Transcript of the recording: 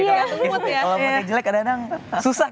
kalau maunya jelek kadang kadang susah